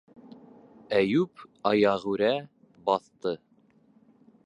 - Әйүп аяғүрә баҫты.